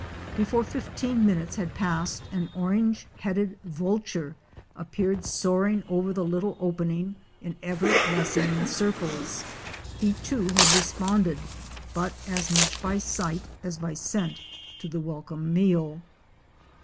Before fifteen minutes had passed, an Orange headed Vulture appeared soaring over the little opening in ever lessening circles. He too had responded, but as much by sight as by scent, to the welcome meal.